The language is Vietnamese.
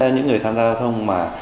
những người tham gia giao thông